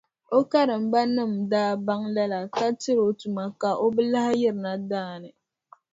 O karimbanima daa baŋ lala ka tiri o tuma ka o bi lahi yiri daa ni.